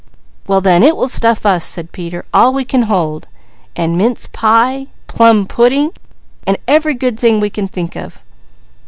"Well then it will stuff us," said Peter, "all we can hold, and mince pie, plum pudding, and every good thing we can think of.